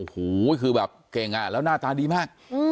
โอ้โหคือแบบเก่งอ่ะแล้วหน้าตาดีมาก